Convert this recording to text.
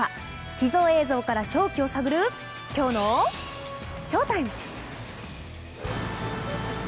秘蔵映像から勝機を探るきょうのＳＨＯＴＩＭＥ！